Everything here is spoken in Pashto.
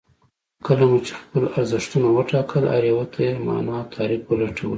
کله مو چې خپل ارزښتونه وټاکل هر يو ته يې مانا او تعريف ولټوئ.